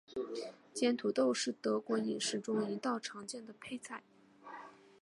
煎土豆是德国饮食中一道常见的配菜。